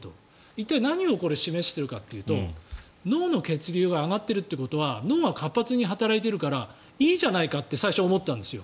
一体、これは何を示しているかというと脳の血流が上がっているということは脳が活発に働いているからいいじゃないかって最初、思ったんですよ。